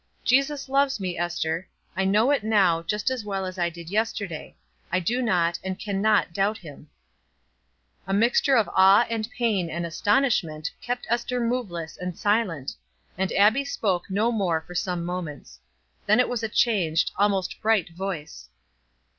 Jesus loves me, Ester. I know it now just as well as I did yesterday. I do not and can not doubt him." A mixture of awe and pain and astonishment kept Ester moveless and silent, and Abbie spoke no more for some moments. Then it was a changed, almost bright voice.